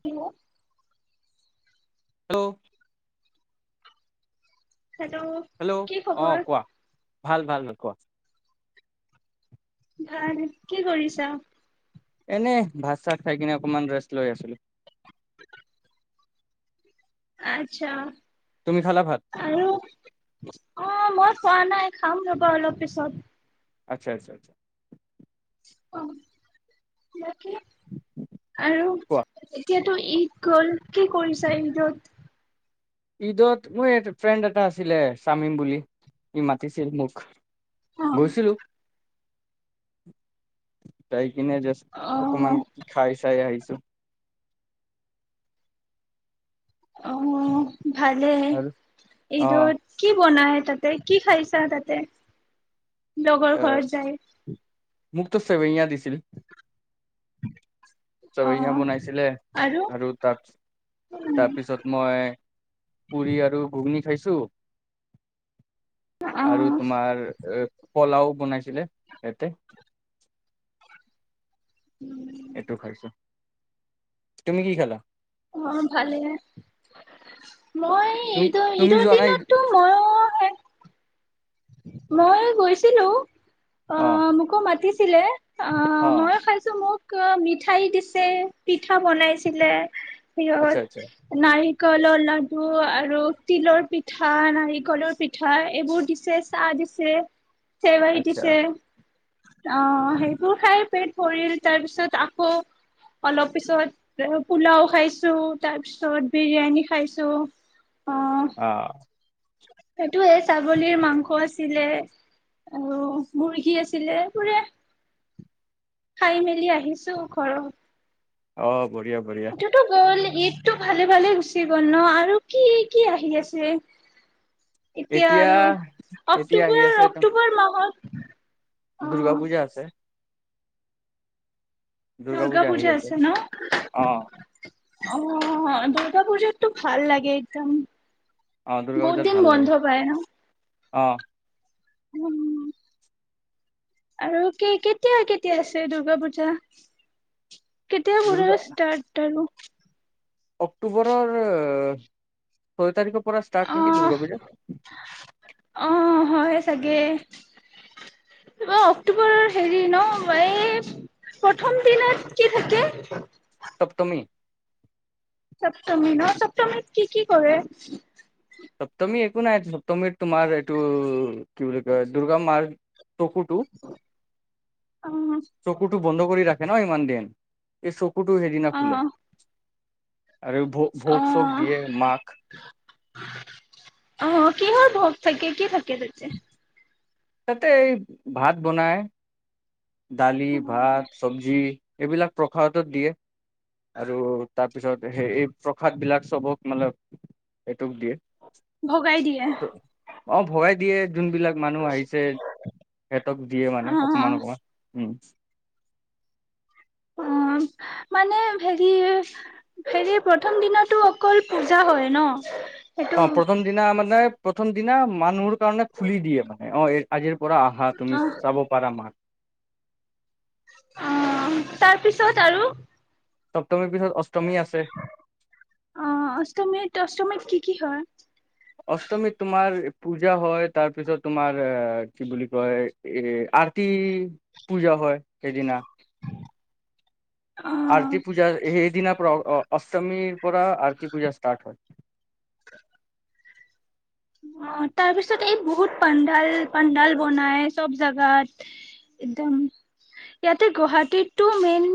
কি অ'? Hello! Hello কি অ খবৰ? কোৱা ভাল, ভাল। [unintelligible] ভাল। কি কৰিছা? এনেই ভাত-চাত খাই কিনে অকমান ৰেষ্ট লৈ আছিলোঁ। আচ্চা। তুমি খালা ভাত আৰু, অ', মই খোৱা নাই খাম ৰ'ব অলপ পিছত আচ্ছা আচ্ছা আচ্ছা অ তাকে আৰু কোৱা এতিয়াতো ঈদ গল কি কৰিছা ঈদত ঈদত মোৰ ফ্ৰেণ্ড এটা আছিলে শামিম বুলি ই মাতিছিল মোক অ গৈছিলো তাই কিনে যে অকমান কি খাই চাই আহিছে [inaudible] অ ভালে আৰু অ এইটো কি বনাই তাতে কি খাইছা তাতে লগৰ ঘৰত যায় মোক ত সেৱৈয়া দিছিল [inaudible] অ সেৱৈয়া বনাইছিলে আৰু ত অ তাৰপিছত মই পুৰি আৰু ঘুগনি খাইছোঁ আৰু তোমাৰ পলাও বনাইছিলে ইয়াতে উম এইটো খাইছো তুমি কি খালা অ ভালেই মই তুমি ঈদৰ তুমি ঈদৰ যোৱা নাই দিনতটো মই মই গৈছিলো অ মোকো মাতিছিলে অ মই খাইছো মোক মিঠাই দিছে পিঠা বনাইছিলে আচ্ছা, সত আচ্ছা, নাৰিকলৰ লাডু আৰু তিলৰ পিঠা নাৰিকলৰ পিঠা এইবোৰ দিছে চজিছে সেৱৈ আচ্ছা, দিছে অ সেইবোৰ খাই পেট ভৰিল তাৰপিছত আকৌ অলপ পিছত পোলাও খাইছো তাৰপিছত বিৰিয়ানী খাইছো অ সেইটো ছাগলীৰ মাংস আছিলে আৰু মুৰ্গী আছিলে পোৰে খাই মেলি আহিছো ঘৰত অ বঢ়িয়া, বঢ়িয়া। উঠটো গ'ল ঈদটো ভালে ভালে গুচি গল ন আৰু কি কি আহি আছে এতিয়া আৰু এতিয়া আহি আছে অক্টোবৰ একদম অক্টোবৰ মাহত অ দুৰ্গা পূজা আছে, দুৰ্গা পূজা আছে, অ', ন! অ' দূৰ্গা পূজাতটো ভাল লাগে একদম। অ', দুৰ্গা পূজাত বহুত ভাল দিন লাগে। বন্ধ পায় ন? অ'। উম। আৰু কেতিয়া কেতিয়া আছে দূৰ্গা পূজা? কেতিয়াৰ দুৰ্গা পৰা ষ্টাৰ্ট আৰু। অক্টোবৰৰ ছয় তাৰিখত পৰা ষ্টাৰ্ট নেকি অ দূৰ্গা পূজা? অ' হয় চাগে। অক্টোবৰ হেৰি ন, এই প্ৰথম দিনত কি থাকে? সপ্তমী। সপ্তমী ন? সপ্তমীত কি কি কৰে? সপ্তমী একো নাই। সপ্তমীত তোমাৰ এইটো কি বুলি কয় দুৰ্গা মাৰই চকুটো, অ' চকুটো বন্ধ কৰি ৰাখে ন ইমান দিন। এই চকুটো হেইদিনা খুলে। অ' আৰু ভোগ চোধ অ' দিয়ে মাক। কিহৰ ভোগ থাকে? কি থাকে? িক দেে [unintelligible] তাতে এই ভাত বনায় দালি, অ' ভাত, চবজি এইবিলাক প্ৰসাদত দিয়ে, আৰু তাৰপিছত সেই এই প্ৰসাদ বিলাক চবক মানে সেইটোক দিয়ে। ভগাই দিয়ে। অ, ভগাই দিয়ে জোনবিলাক মানুহ আহিছে, সিহঁতক দিয়ে মানে অ' অকমান অকমান। উ। অ', মানে হেৰি, হেৰি প্ৰথম দিনতো অকল পূজা হয় ন? সেইটো অ, প্ৰথম দিনা মানে প্ৰথম দিনা মানুৰ কাৰণে খুলি দিয়ে মানে, অ আজিৰ পৰা আহা তুমি অ' চাব পাৰা মাক। অ', তাৰপিছ ত আৰু সপ্তমীৰ পিছত অষ্টমী আছে ষ্টমীত কি কি হয়? অষ্টমীত তোমাৰ পূজা হয় তাৰ পিছত তোমাৰ কি বুলি কয়, এ আৰতি পূজা হয়, সেইদিনা অ' আৰতি পূজা স দিনা পৰা অ অষ্টমীৰ পৰা আৰৰ্ কি পূজা ষ্টাৰ্ হয় অ [unintelligible] অ তাৰ পিছত এই বহুত পাডাল পাডাল বনাই চব জেগাত একদম ইয়াতে গুৱাহাটীটো মেইন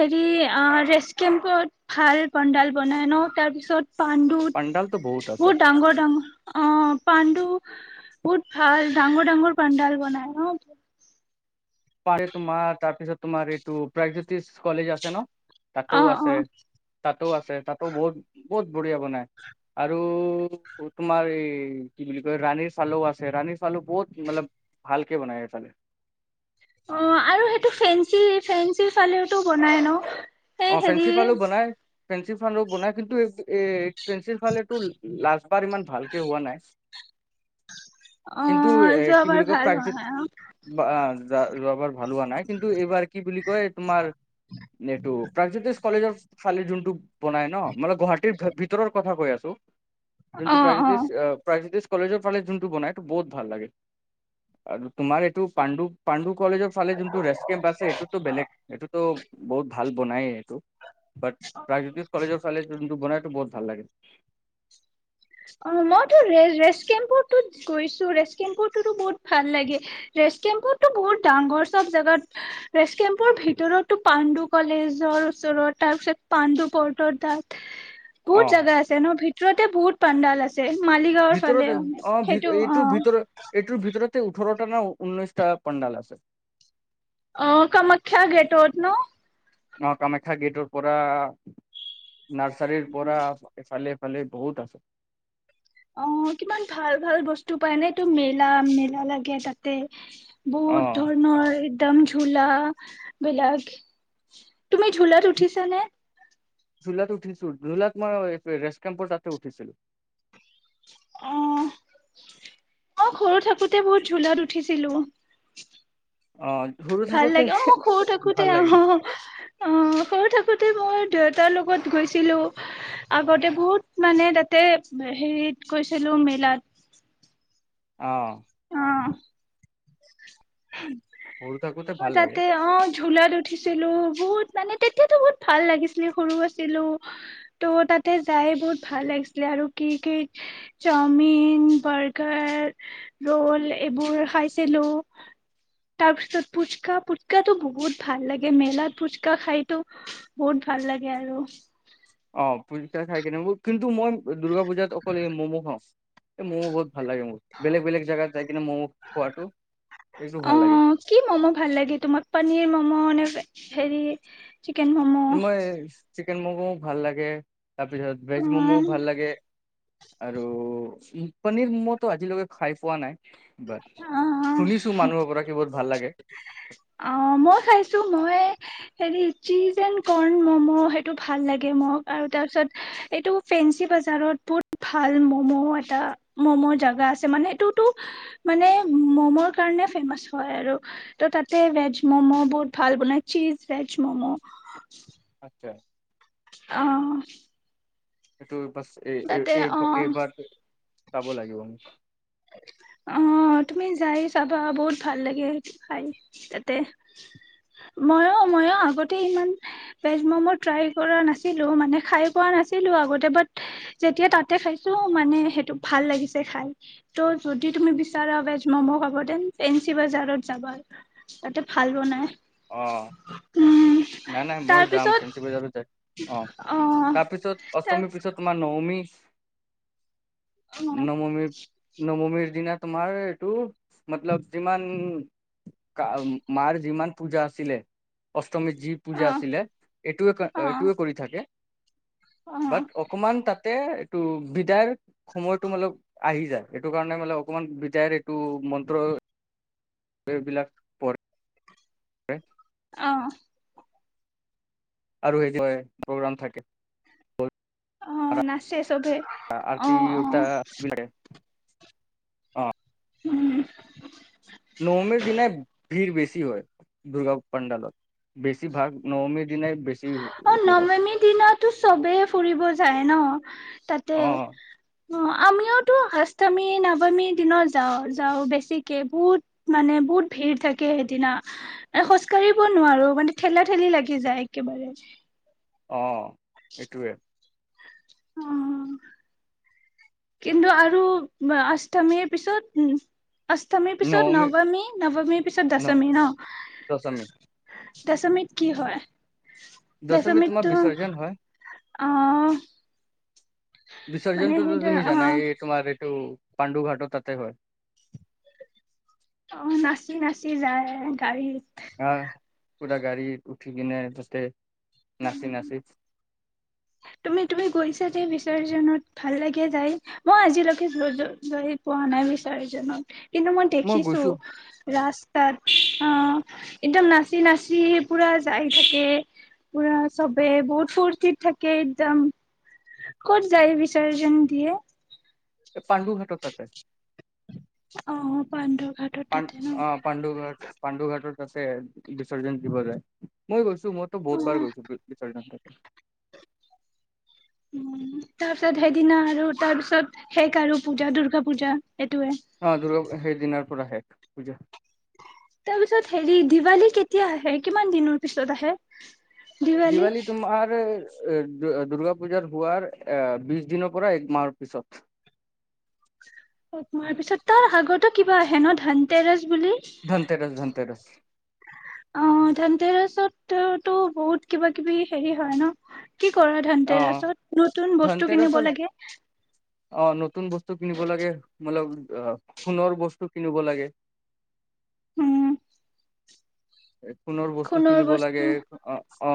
হেৰি অ ৰেচ কেম্পত ভাল পাডাল বনাই ন তাৰপিছত পাণ্ডুত পাণ্ডালটো আছে বহুত ডাঙৰ ডাঙৰ অ পাণডু বহুত ভাল ডাঙৰ ডাঙৰ পাণডাল বনাই অ প তোমাৰ তাৰ পিছত তোমাৰ এইটো প্ৰজ্যোতিষ কলেজ আছে ন অ তাতোও অ আছে তাতো আছে তাতো বহুত বহুত বঢ়িয়া বনায় আৰু তোমাৰ এই কি বুলি কয় ৰাণীৰ চাউালও আছে ৰাণীৰ চাউলো বহুত মানে ভালকে বনায় এইফালে অ আৰু সেইটো ফেঞ্চি ফেন্সী চালওটো বনাই ন সেই অ' হেৰি ফেন্সী ফালো বনায় ফেন্সী ফাৰড বনাই কিন্তু এই এ ফেন্সী ফালেটো লাজবাৰ ইমান ভালকে হোৱা নাই অ কিন্তু এ কি যোৱাবাৰ বুলি কয় ভাল প্ৰাক য নহয় যোৱাবাৰ ভালোৱা নাই কিন্তু এইবাৰ কি বুলি কয় তোমাৰ এইটো কলেজৰাল যোনটো বনাই ন মানে গুৱাহাটীৰ ভিতৰৰ কথা কৈ আছো যিহু অ অ অ প্ৰাগজ্যোতিষ কলেজৰ ফালে যোনটো বনাই এইটো বহুত ভাল লাগে আৰু তোমাৰ এইটো পাণ্ডু পাণ্ডু কলেজৰ ফালে যোনটো ৰেষ্ট কেম্প আছে এইটোত বেলেগ সেইটোতো বহুত ভাল বনাইে এইটো ব প্ৰাগজ্যোতিষ কলেজৰ চাললে বনাই বহুত ভাল লাগে অ মইতোৰে ৰেচ কেম্পুৰ গৈছো ৰেষ্ট কেম্পুৰ তো বহুত ভাল লাগে ৰেচ কেম্পুৰতো বহুত ডাঙৰ চব জোগাত ৰেচ কেম্পুৰ ভিতৰতো পাণ্ডু কলেজৰ ওচৰত তাৰিত পাণ্ডু পৰ্টৰ তাত বহুত অ জেগা আছে ন ভ শ্ৰতে পুৰত পধালছে মালিগাঁওৰ ফালে ভিতৰতে অ ভি- সেইটো অ এইটো ভিতৰত এইটোৰ ভিতৰতে ওঠৰটা ন ঊনৈশটা পণ্ডাল আছে অ কামাখ্য গেটত ন অ কামাখ্যা গেটৰ পৰা নাৰ্চাৰীৰ পৰা এইফালে খালি বহুত আছে অ কিমান ভাল ভাল বস্তু পায় নে এইটো মেলা মেলা লাগে তাতে অ বহুত ধৰণৰ একদম ঝোলা বিলাক তুমি ঝোলাত উঠিছ নে ঝুলাত উঠিছো ঝুলাত মই ৰেষ্ট কেম্পৰ তাতে উঠিছিলো অ অ ঘৰু থাকোতে বহুত ঝোলাত উঠিছিলো অ সৰু ভাল থাকোতে লাগে অ মই সৰু থাকোতে ভাল অ লাগে অ সৰু থাকোতে তাতে মই দেউতাৰ লগত গৈছিলো আগতে বহুত মানে তাতে হেৰিত গৈছিলো মেলাত অ অ সৰু থাকোতে অ ভাল লাগে তাতে অ ঝোলাত উঠিছিলো বহুত মানে তেতিয়াতো বহুত ভাল লাগিছিলে সৰু আছিলো ত' তাতে যাই বহুত ভাল লাগিছিলে আৰু কি কি চাওমিন বাৰ্গাৰ ৰল এইবোৰ খাইছিলো তাৰপিছত ফুচকা ফুচকাটো বহুত ভাল লাগে মেলাত ফুচকা খাইতো বহুত ভাল লাগে আৰু অ পুচকা খাই কিনে কিন্তু মই দুৰ্গা পূজাত অকল এই ম'ম' খাওঁ এই ম'ম' বহুত ভাল লাগে মোৰ বেলেগ বেলেগ জাগগাত যাই কিনে ম'ম' খোৱাটো একু অ ভাল লাগে কি ম'ম' ভাল লাগে তোমাক পনীৰ ম'ম' নে হেৰি চিকেন ম'ম' মই চিকেন ম'ম' ভাল লাগে তাৰপিছত অ ভেজ মমো ভাল লাগে আৰু পনীৰ মমতো আজিলৈকে খাই পোৱা নাই বাৰ অ শুনিছো মানুহৰ পৰা কি বহুত ভাল লাগে অ মই খাইছো মই হেৰি চীজ এণ্ কৰ্ণ ম'ম' সেইটো ভাল লাগে মোক আৰু তাৰপিছত এইটো ফেঞ্চি বজাৰত বহুত ভাল মম' এটা মম' জোগা আছে মানে সেইটোতো মানে ম'ম' কাৰণে ফেমাচ হয় আৰু ত ত ভেজ মম' বহুত ভাল বনাই চিজ ভেজ মমো আছা অ সেইটো ব এই তাতে এইবাৰ এইবাৰ চাব লাগিব আ অ তুমি যাইছ চাবা বহুত ভাল লাগে সেইটো খাই তাতে মইো ময়ো আগতে ইমান ভেজ মমো ট্ৰাই কৰা নাছিলো মানে খাই পোৱা নাছিলো আগতে বাট যেতিয়া তাতে খাইছো মানে সেইটো ভাল লাগিছে খাই ত' যদি তুমি বিচাৰা ভেজ ম'ম' খাব তেন ফেঞ্চি বজাৰত যাবা তাতে ভাল বনাই অ উম নাই নাই মই যাম তাৰপিছত ফেঞ্চি বজাৰ য অ তাৰপিছত তাৰ অষ্টমীৰ পিছত তোমাৰ ন উমিষ অ নৱমি নৱমি দিনা তোমাৰ এইটো মতলব যিমান মাৰ যিমান পূজা আছিলে অষ্টমী যি অ পূজা আছিলে এইটোৱে অ এইটো কৰি থাকে অ বাট অকমান তাত তাতে এইটো বিদায়ৰ সময়তটো মানে আহি যায় এইটো কাৰণে মানে অকমান বিদায়ৰ এইটো মন্ত্ৰ এইবিলাক পৰে [unintelligible] অ আৰু সেই প্ৰগ্ৰাম থাকে অ নাচে চবে অ আৰতি অ উৰতা বিলাকে অ উম নৱমীৰ দিনাই ভিৰ বেছি হয় দুৰ্গা পাণ্ডালত বেছিভাগ নৱমীৰ দিনাই বেছি অ এইটো হয় নৱমী দিনাটো চবেই ফুৰিব যায়। যায় ন তাতে অ অ আমিওটো আষ্টমী নৱমীৰ দিনাত যাও যাও বেছিকে বহুত মানে বহুত ভিৰ থাকে সেইদিনা খোজকাঢ়িব নোৱাৰো মানে ঠেলা ঠেলি লাগি যায়। একেবাৰে অ এইটোৱে উম কিন্তু আৰু অষ্টমীৰ পিছত উম অষ্টমীৰ পিছত নৱমী নৱমীৰ পিছত দশমী ন দশমী দশমিত কি হয় দশমীট তোমাৰ বিসৰ্জন হয়। আহ বিসৰ্জজনটো তুমি অ জানাই তোমাৰ টো পাণ্ডু ঘাটৰ তাতে হয়। অ নাচি নাচি যায় গাড়ীত আহ পুৰা গাড়ী উঠি কিনে তাতে নাছি নাছি তুমি তুমি গৈছা যে বিচাৰজনত ভাল লাগে যাই মই আজিলৈকে গৈ পোৱা নাই বিচাৰজনত। কিন্তু মই দেখিছো ৰাস তাত অ একদম নাছি নাছি পোৰা যাই থাকে, পোৰা সৱে বহুত ফূৰ্তিত থাকে একদম ক'ত যায় বিচৰ্জন দিয়ে। পাণ্ডু ঘাটত তাতে। অ পাণ্ড পান অ পাণ্ডুঘাট পাণ্ডুঘাট ততে বিসৰ্জন দিব যায় মই গৈছোঁ মইতো বহুত অ বাৰ গৈছো বিসৰ্জন তে। উম তাৰ পিছত সেইদিনা আৰু তাৰ পিছত শেষ আৰু পূজা দুৰ্গা পূজা এইটোয়ে অ দুৰ্গা সেই দিনাৰ পৰা শেষ। পূজা তাৰ পিছত হেৰি দিৱালী কেতিয়া আহে? কিমান দিনৰ পিছত আহে? দিৱালী তোমাৰ এ দুৰ্গা পূজাৰ হোৱাৰ এ বিশ দিনৰ পৰা এক মাহৰ পিছত এক মাহৰ পিছত, তাৰ আগতে কিবা আহে ন ধনতেৰাছ বুলি অ' ধনতেৰছ ধনতেৰছ ধন ধেনতেৰেছত তো বহুত কিবা কিবি হেৰি হয় ন? কি কৰা অ ধানতেৰাছত নতুন বস্তু কিনিব ধনতেৰছৰ লাগে। অ' নতুন বস্তু কিনিব লাগে মল আহ সোণৰ বস্তু কিনিব লাগে। উম। সোণৰ বস্তু কিনিব লাগে অ' অ'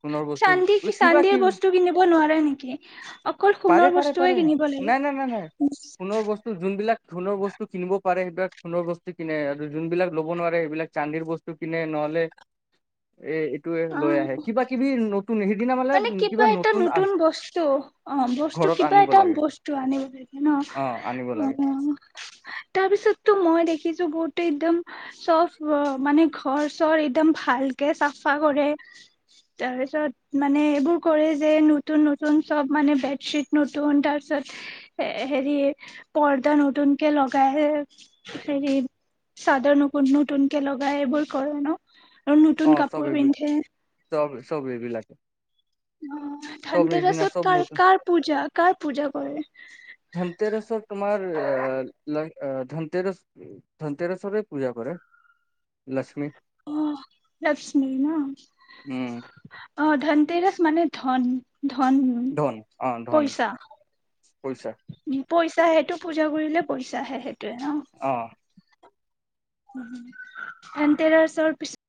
সোণৰ বস্তু চান্দি বো কিবা চান্দিৰ কিব বস্তু কিনিব নোৱাৰে নেকি অকল পাৰে সোণৰ পাৰে বস্তুৱে পাৰে কিনিব লাগে নাই নাই নাই নাই সোণৰ বস্তু যোনবিলাক সোণৰ বস্তু কিনিব পাৰে সেইবিলাক সোণৰ বস্তু কিনে আৰু যোনবিলাক ল'ব নোৱাৰে সিবিলাক চান্দিৰ বস্তু টো কিনে নহ'লে এ এইটোয়ে অ লৈ আহে কিবা কিবি নতুন মানে কিবা এটা নতুন বস্তু অ' বস্তু ঘৰত কিবা আনিব এটা লাগে বস্তু আনিব লাগে ন অ আনিব অ' লাগে তাৰপিছত তো মই দেখিছো বহুতো এক্দম চব মানে ঘৰ চৰ একদম ভালকে চাফা কৰে তাৰপিছত মানে এইবোৰ কৰে যে নতুন নতুন চব মানে বেডশ্বিট নতুন তাৰপিছত এ হেৰি পৰ্দা নতুন কে লগাই হেৰি চাদৰ নতুন নতুন কে লগায় এইবোৰ কৰে ন? আৰু অ নতুন চব কাপোৰ এইবিল পিন্ধে। চব চব এইবিলাকে অ' চব ধঠানডে এইদিনা ৰাছত চব কাৰ নতুন কাৰ পূজা কাৰ পূজা কৰে? ধন তেৰশৰ তোমাৰ ধনতেৰ ধনতেৰসৰে পূজা কৰে লক্ষ্মী। অ' লক্ষ্মি ন উম অ' ধনতিৰ মানে ধন ধন পইছা পইছা পইছাহে এটো পূজা কৰিলে পইছা আহে, সেইটোৱে। অহ' ধনতেৰছ পিছ